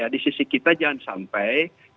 di sisi kita jangan sampai